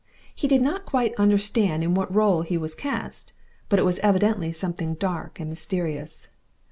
He did not quite understand in what role he was cast, but it was evidently something dark and mysterious.